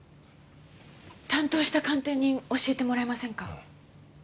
担当した鑑定人教えてもらえませんか？